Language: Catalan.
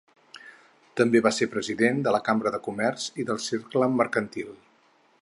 També va ser president de la Cambra de Comerç i del Cercle Mercantil.